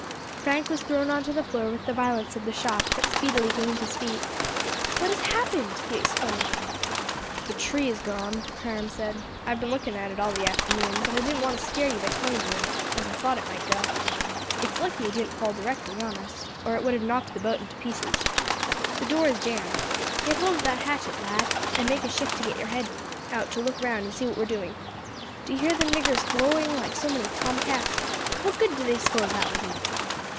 Frank was thrown on to the floor with the violence of the shock, but speedily gained his feet. "What has happened?" he exclaimed. "The tree has gone," Hiram said; "I have been looking at it all the afternoon, but I didn't want to scare you by telling you as I thought it might go. It's lucky it didn't fall directly on us, or it would have knocked the boat into pieces. The door is jammed. Get hold of that hatchet, lad, and make a shift to get your head out to look round and see what we are doing. Do you hear them niggers holloaing like so many tom cats? What good do they suppose that will do?"